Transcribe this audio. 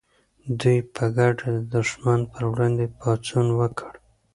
دوی په ګډه د دښمن پر وړاندې پاڅون وکړ.